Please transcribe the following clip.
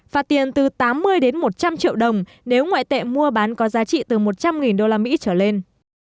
phạt tiền từ tám mươi đến một trăm linh triệu đồng nếu ngoại tệ mua bán có giá trị từ một mươi nghìn đô la mỹ trở lên